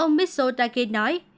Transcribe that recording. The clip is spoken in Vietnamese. ông mitsotakis nói